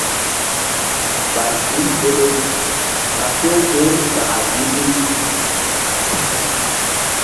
Fal ɓil belem ɓa few ké ɗaka i-i.